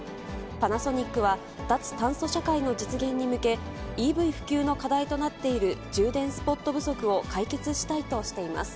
パナソニックは、脱炭素社会の実現に向け、ＥＶ普及の課題となっている充電スポット不足を解決したいとしています。